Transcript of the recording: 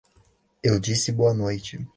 Eu disse boa noite.